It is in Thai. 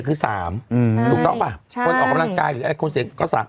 คือ๓ถูกต้องป่ะคนออกกำลังกายหรืออะไรคนเสี่ยงก็๓